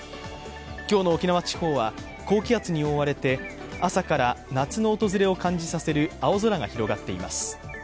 今日の沖縄地方は高気圧に覆われて朝から夏の訪れを感じさせる青空が広がっています。